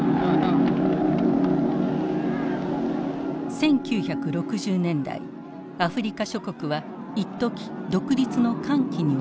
１９６０年代アフリカ諸国は一時独立の歓喜に沸いた。